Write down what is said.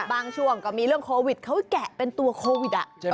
ช่วงก็มีเรื่องโควิดเขาแกะเป็นตัวโควิด